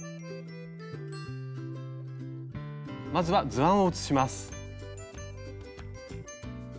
まずは図案を写します。